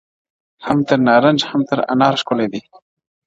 هم تر نارنج هم تر انار ښکلی دی!